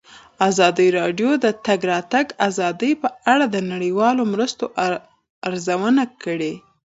ازادي راډیو د د تګ راتګ ازادي په اړه د نړیوالو مرستو ارزونه کړې.